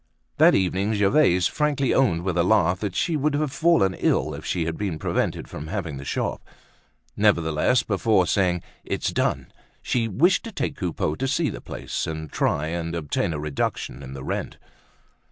That evening Gervaise frankly owned with a laugh that she would have fallen ill if she had been prevented from having the shop. Nevertheless, before saying "it's done!" she wished to take Coupeau to see the place, and try and obtain a reduction in the rent.